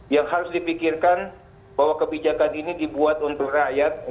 yang harus dipikirkan bahwa kebijakan ini dibuat untuk rakyat